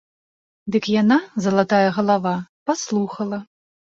Дык яна, залатая галава, паслухала.